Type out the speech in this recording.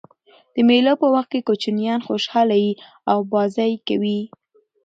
د مېلو په وخت کوچنيان خوشحاله يي او بازۍ کوي.